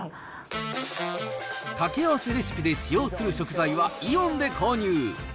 かけあわせレシピで使用する食材はイオンで購入。